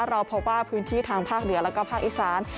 เราพบว่าพื้นที่ทางภาคเหนือแล้วก็ภาคอีสาน